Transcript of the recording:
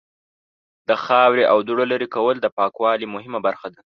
د خاورې او دوړو لرې کول د پاکوالی مهمه برخه ده.